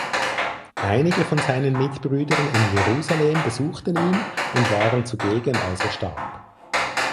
Einige von seinen Mitbrüdern in Jerusalem besuchten ihn und waren zugegen als er starb.